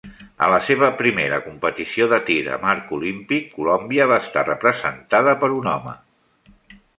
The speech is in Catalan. A la seva primera competició de tir amb arc olímpic, Colòmbia va estar representada per un home.